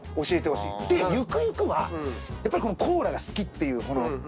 でゆくゆくはやっぱりコーラが好きっていうこの。